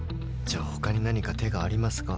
じゃあ他に何か手がありますか？